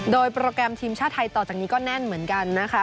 โดยโปรแกรมทีมชาติไทยต่อจากนี้ก็แน่นเหมือนกันนะคะ